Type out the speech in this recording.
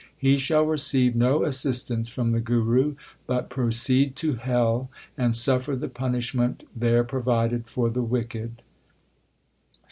He shall receive no assistance from the Guru, but proceed to hell and suffer the punishment there provided for the wicked.